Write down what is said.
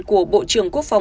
của bộ trưởng quốc phòng